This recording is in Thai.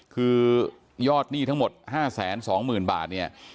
คือยอดหนี้ทั้งหมด๕๒๐๐๐๐บาท